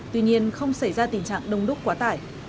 tuy nhiên không xảy ra tình trạng đông đúc quá tải